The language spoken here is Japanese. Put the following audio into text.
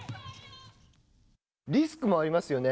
リスクもありますよね。